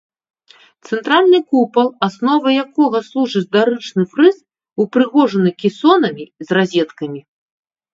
Цэнтральны купал, асновай якога служыць дарычны фрыз, упрыгожаны кесонамі з разеткамі.